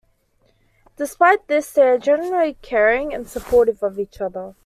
Despite this, they are generally caring and supportive of each other.